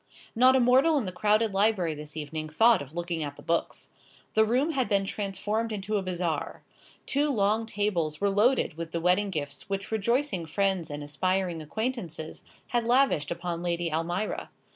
Not a mortal in the crowded library this evening thought of looking at the books. The room had been transformed into a bazaar. Two long tables were loaded with the wedding gifts which rejoicing friends and aspiring acquaintances had lavished upon Lady Almira.